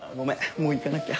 もう行かなきゃ。